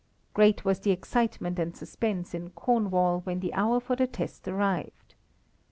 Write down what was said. Great was the excitement and suspense in Cornwall when the hour for the test arrived.